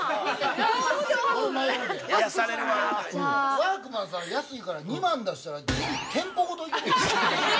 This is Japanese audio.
◆ワークマンさん安いから、２万出したら、ギリ店舗ごといける。